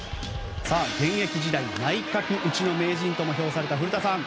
現役時代内角打ちの名人とも評された古田さん。